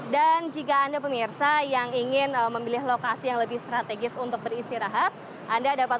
dan jika anda pemirsa yang ingin memilih lokasi yang lebih strategis untuk beristirahat